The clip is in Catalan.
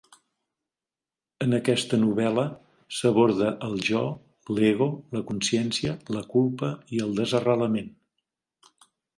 En aquesta novel·la, s'aborda el jo, l'ego, la consciència, la culpa i el desarrelament.